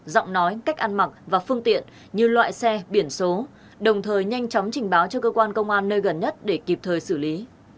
giọng nói cách ăn mặc và phương tiện như loại xe biển số đồng thời nhanh chóng trình báo cho cơ quan công an nơi gần nhất để kịp thời xử lý